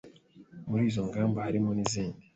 Muri izo ngamba harimo nizindi